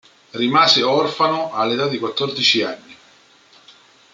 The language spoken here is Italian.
Rimase orfano all'età di quattordici anni.